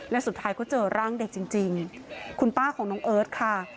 และสุดท้ายก็เจอร่างเด็กจริงคุณป้าของน้องเอิร์ทค่ะ